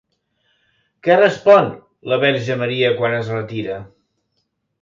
Què respon la Verge Maria quan es retira?